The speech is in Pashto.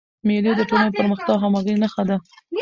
مېلې د ټولني د پرمختګ او همږغۍ نخښه ده.